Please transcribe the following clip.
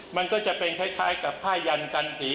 มันก็จะเป็นคล้ายกับผ้ายันกันสี